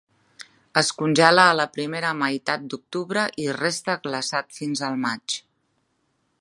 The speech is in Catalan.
Es congela a la primera meitat d'octubre i resta glaçat fins al maig.